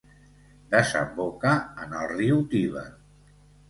Desemboca en el riu Tíber.